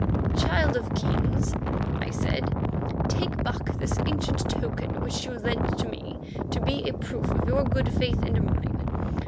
"Child of Kings," I said, "take back this ancient token which you lent to me to be a proof of your good faith and mine.